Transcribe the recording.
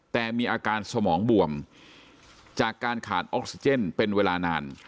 แต่มีอาการสมองบวมจากการขาดออกซิเจนเป็นเวลานาน